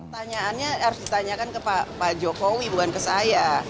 pertanyaannya harus ditanyakan ke pak jokowi bukan ke saya